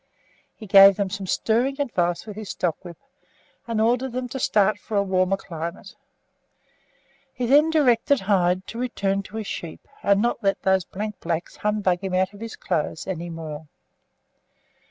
He gave them some stirring advice with his stockwhip, and ordered them to start for a warmer climate. He then directed Hyde to return to his sheep, and not let those blank blacks humbug him out of clothes any more.